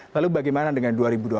lalu bagaimana dengan dua ribu dua puluh